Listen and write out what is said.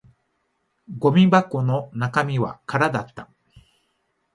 ゴミ箱の中身は空だった